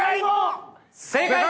正解！